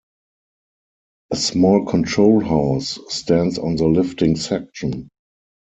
A small control house stands on the lifting section.